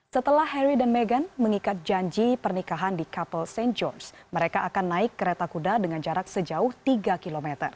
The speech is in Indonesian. setelah harry dan meghan mengikat janji pernikahan di kapel st george mereka akan naik kereta kuda dengan jarak sejauh tiga km